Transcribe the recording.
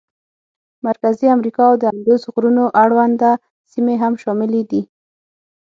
مرکزي امریکا او د اندوس غرونو اړونده سیمې هم شاملې دي.